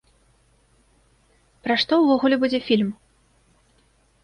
Пра што ўвогуле будзе фільм?